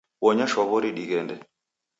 Bonya shwaw'ori dighende.